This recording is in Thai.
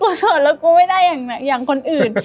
โสดแล้วกูไม่ได้อย่างคนอื่น